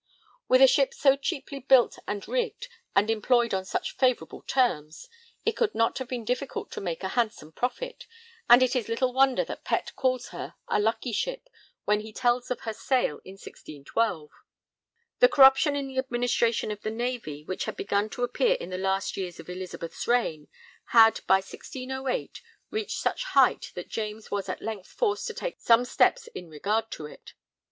With a ship so cheaply built and rigged, and employed on such favourable terms, it could not have been difficult to make a handsome profit, and it is little wonder that Pett calls her a 'lucky ship' when he tells of her sale in 1612. [Sidenote: Commission of Inquiry.] The corruption in the administration of the Navy, which had begun to appear in the last years of Elizabeth's reign, had by 1608 reached such a height that James was at length forced to take some steps in regard to it.